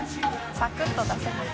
サクッと出せない。